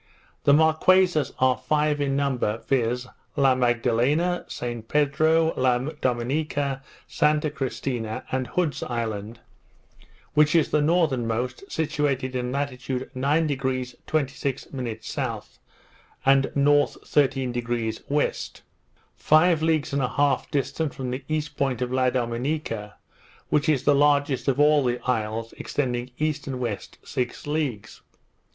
The Marquesas are five in number, viz. La Magdalena, St Pedro, La Dominica, Santa Christina, and Hood's Island, which is the northernmost, situated in latitude 9° 26' S., and N. 13° W., five leagues and a half distant from the east point of La Dominica, which is the largest of all the isles, extending east and west six leagues.